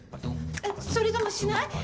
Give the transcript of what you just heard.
それともしない？